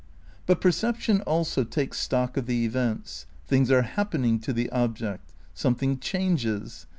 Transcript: But perception also takes stock of the events. Things are happening to the object. Something changes.